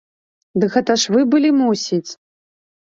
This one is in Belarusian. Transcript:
Ды гэта ж вы былі, мусіць!